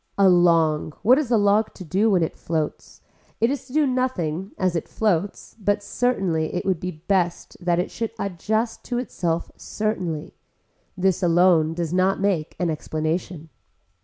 A long, what is a log to do when it floats, it is to do nothing as it floats but certainly it would be best that it should adjust that to itself certainly. This alone does not make an explanation.